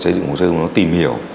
xây dựng hồ sơ chúng nó tìm hiểu